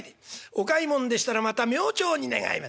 お買いもんでしたらまた明朝に願います。